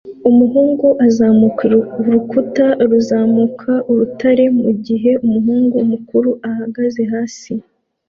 Umuhungu azamuka urukuta ruzamuka urutare mugihe umuhungu mukuru ahagaze hasi